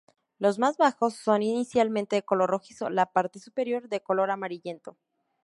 Los más bajos son inicialmente de color rojizo, la parte superior de color amarillento.